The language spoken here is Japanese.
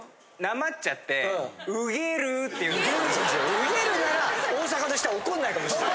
「ウゲる」なら大阪の人は怒んないかもしんない。